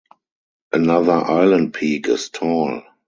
Another island peak is tall.